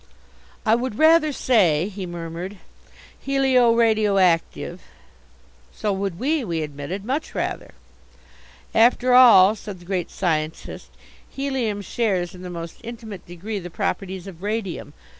"I would rather say," he murmured, "helio radio active " "So would we," we admitted, "much rather " "After all," said the Great Scientist, "helium shares in the most intimate degree the properties of radium.